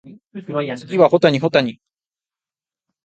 次は保谷保谷